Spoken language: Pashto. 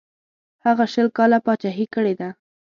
هغه شل کاله پاچهي کړې ده.